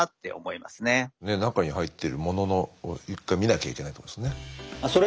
中に入ってるものの一回見なきゃいけないってことですね。